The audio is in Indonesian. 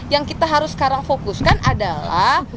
yang kita harus sekarang fokuskan adalah